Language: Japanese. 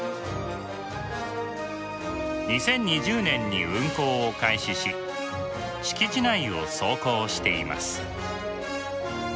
２０２０年に運行を開始し敷地内を走行しています。